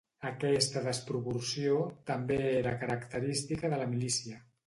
Aquesta desproporció també era característica de la milícia.